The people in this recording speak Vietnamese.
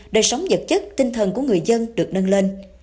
đời sống vật chất tinh thần của người dân được nâng lên